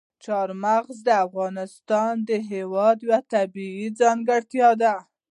چار مغز د افغانستان هېواد یوه طبیعي ځانګړتیا ده.